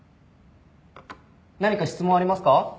何か質問ありますか？